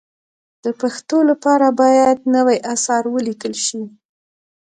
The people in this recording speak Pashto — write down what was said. د پښتو لپاره باید نوي اثار ولیکل شي.